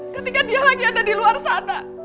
ketika dia lagi ada di luar sana